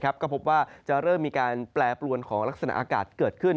ก็พบว่าจะเริ่มมีการแปรปรวนของลักษณะอากาศเกิดขึ้น